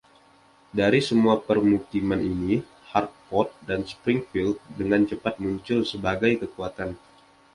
Dari semua permukiman ini, Hartford dan Springfield dengan cepat muncul sebagai kekuatan.